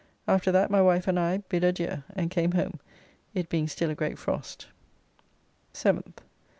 After that my wife and I bid adieu and came home, it being still a great frost. 7th.